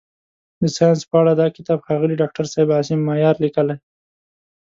د ساینس په اړه دا کتاب ښاغلي داکتر صاحب عاصم مایار لیکلی.